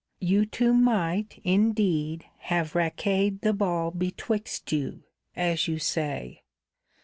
You two might, indeed, have raqueted the ball betwixt you, as you say.